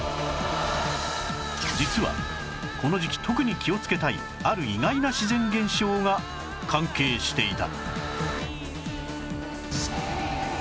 実はこの時期特に気をつけたいある意外な自然現象が関係していた